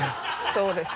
そうですね。